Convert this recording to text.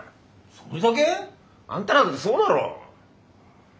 それだけ！？あんたらだってそうだろ！